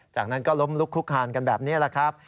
จากนั้นก็ล้มลุกคุกคานกันแบบนี้แหละครับ